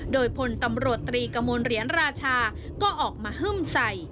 โดยพลตำรวจตรีกระมวลเหรียญราชาก็ออกมาฮึ่มใส่